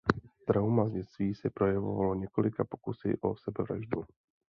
Trauma z dětství se projevovalo několika pokusy o sebevraždu.